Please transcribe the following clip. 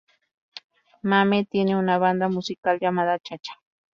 Mamet tiene una banda musical llamada "Chacha".